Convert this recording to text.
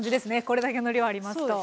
これだけの量ありますと。